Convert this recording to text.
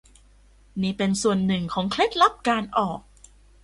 นี่เป็นส่วนหนึ่งของเคล็ดลับการออก